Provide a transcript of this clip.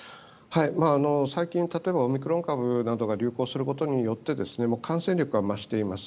最近例えばオミクロン株などが流行することで感染力が増しています。